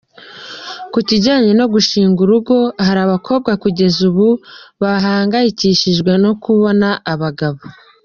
Ku kijyanye no gushing urugo hariho abakobwa kugeza ubu bahangayikishijwe no kubona abagabo.